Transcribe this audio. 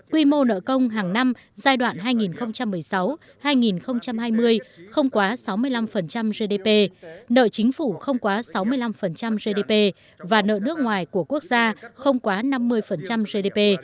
quy mô nợ công hàng năm giai đoạn hai nghìn một mươi sáu hai nghìn hai mươi không quá sáu mươi năm gdp nợ chính phủ không quá sáu mươi năm gdp và nợ nước ngoài của quốc gia không quá năm mươi gdp